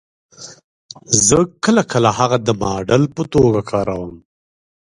زه کله کله هغه د ماډل په توګه کاروم